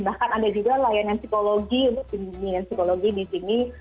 bahkan ada juga layanan psikologi untuk timbul psikologi di sini